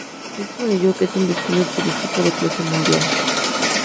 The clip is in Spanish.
Es por ello que es un destino turístico de clase mundial.